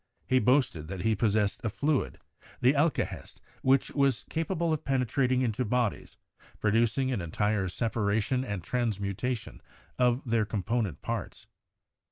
He boasted that he possessed a fluid, the "alcahest," which was capable of penetrating into bodies, producing an en tire separation and transmutation of their component parts.